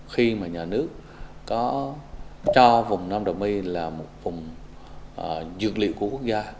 khi mà nhà nước có cho vùng nam đồng my là một vùng dược liệu của quốc gia